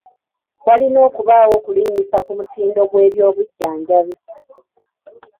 Walina okubaawo okulinnyisa ku mutindo gw'ebyobujjanjabi.